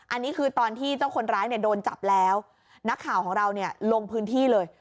อันนี้คือตอนที่เจ้าคนร้ายเนี่ยโดนจับแล้วนักข่าวของเราเนี่ยลงพื้นที่เลย